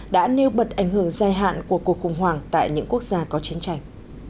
đã nêu bật ảnh hưởng dài hạn của cuộc khủng hoảng tại những quốc gia có chiến tranh